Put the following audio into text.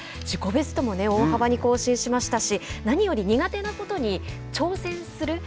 自己ベストも大幅に更新しましたし何より苦手なことに挑戦する。